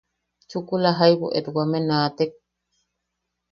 Chukula jaibu etwame naatek.